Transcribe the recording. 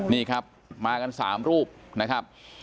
นี่ครับมากัน๓รูปนะครับ